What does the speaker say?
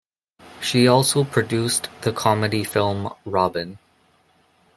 She also produced the comedy film "Robin".